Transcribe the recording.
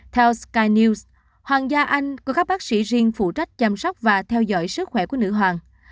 theo sky news hoàng gia anh có các bác sĩ riêng phụ trách chăm sóc và theo dõi sức khỏe của nữ hoàng